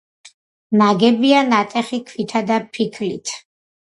ნაგებია ნატეხი ქვითა და ფიქლით.